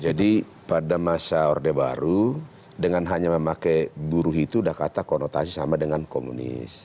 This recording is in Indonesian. jadi pada masa orde baru dengan hanya memakai buruh itu sudah kata konotasi sama dengan komunis